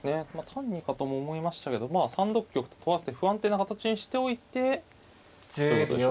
単にかとも思いましたけどまあ３六玉と取らせて不安定な形にしておいてということでしょうね。